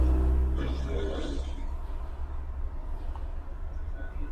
Entre más rangos más objetos pueden mezclarse al mismo tiempo.